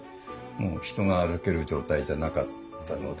もう人が歩ける状態じゃなかったので。